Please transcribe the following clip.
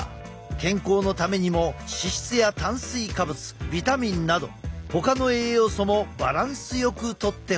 健康のためにも脂質や炭水化物ビタミンなどほかの栄養素もバランスよくとってほしい。